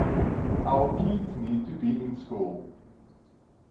Our kids need to be in school.